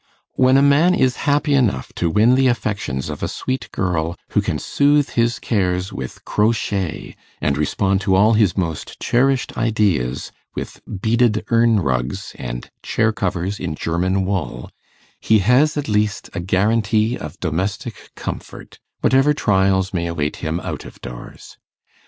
When a man is happy enough to win the affections of a sweet girl, who can soothe his cares with crochet, and respond to all his most cherished ideas with beaded urn rugs and chair covers in German wool, he has, at least, a guarantee of domestic comfort, whatever trials may await him out of doors.